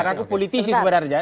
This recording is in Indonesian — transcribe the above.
karena aku politisi sebenarnya